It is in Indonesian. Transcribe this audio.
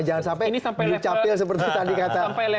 jangan sampai ini sampai level kpps loh